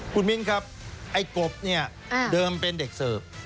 คุณมิ้นครับไอ้กบเนี่ยเดิมเป็นเด็กเสิร์ฟ